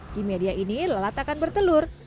seperti ini lelat akan bertelur